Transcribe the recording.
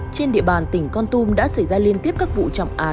trên địa bàn tỉnh con tum đã xảy ra liên tiếp các vụ trọng án liên quan đến